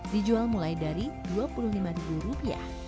dijual mulai dari rp dua puluh lima